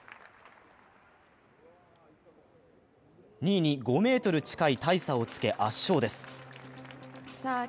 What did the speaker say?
２位に５ｍ近い大差をつけ圧勝です。